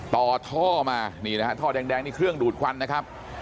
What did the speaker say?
ต่อท่อมานี่นะฮะท่อแดงนี่เครื่องดูดควันนะครับ